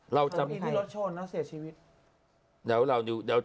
เห็นที่รถชนนะเสียชีวิต